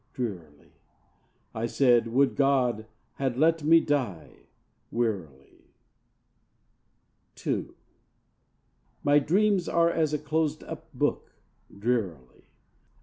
Drearily. I said, "Would God had let me die!" (Wearily.) II. My dreams are as a closed up book, (Drearily.)